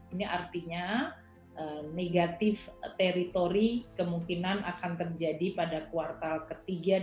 ini artinya negatif teritori kemungkinan akan terjadi pada kuartal ketiga